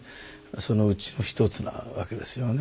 そのうちの一つなわけですよね。